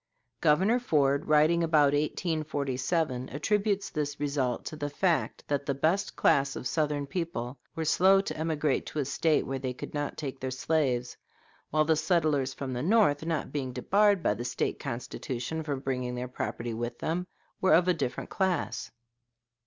Governor Ford, writing about 1847, attributes this result to the fact that the best class of Southern people were slow to emigrate to a State where they could not take their slaves; while the settlers from the North, not being debarred by the State Constitution from bringing their property with them, were of a different class.